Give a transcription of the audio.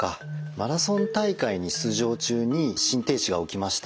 マラソン大会に出場中に心停止が起きました。